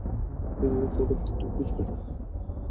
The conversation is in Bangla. এই পৃথিবীর দৌরাত্ম্য তুই বুঝবি না।